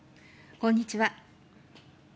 こんにちは。